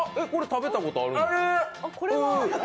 食べたことある！